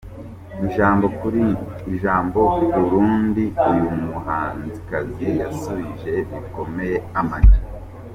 Ijambo kuri ndi uyu muhanzikazi yasubije bikomeye Ama G.